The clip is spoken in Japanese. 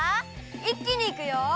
いっきにいくよ！